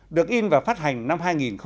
được in và phát hành năm hai nghìn ba